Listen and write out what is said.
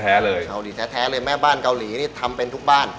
เลยเกาหลีแท้เลยแม่บ้านเกาหลีนี่ทำเป็นทุกบ้าน